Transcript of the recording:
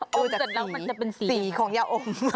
ดูจากสีสีของยาโอม